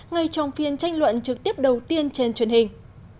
ngay trong phiên tranh luận trực tiếp đầu tiên trên truyền hình